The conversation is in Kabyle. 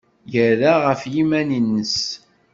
Yerra ɣef yiman-nnes.